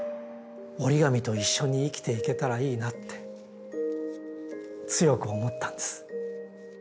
折り紙と一緒に生きていけたらいいなって強く思ったんです。